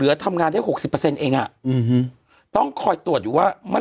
คือคือคือคือคือ